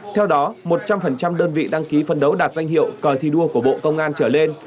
theo đó một trăm linh đơn vị đăng ký phân đấu đạt danh hiệu cờ thi đua của bộ công an trở lên